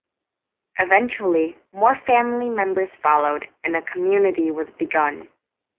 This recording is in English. Eventually, more family members followed and a community was begun.